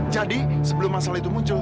jadi sebelum masalah itu muncul